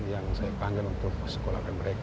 yang saya panggil untuk sekolahkan mereka